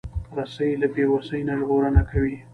رسۍ له بیوسۍ نه ژغورنه کوي.